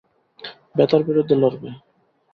ব্যথার বিরুদ্ধে লড়বে।